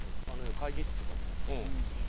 会議室とかにある。